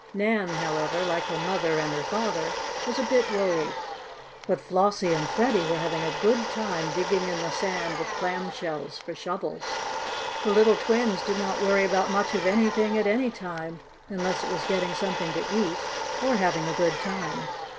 Nan, however, like her mother and her father, was a bit worried. But Flossie and Freddie were having a good time digging in the sand with clam shells for shovels. The little twins did not worry about much of anything at any time, unless it was getting something to eat or having a good time.